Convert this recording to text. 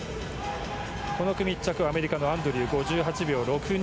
この組、１着はアメリカのアンドリューで５８秒６２。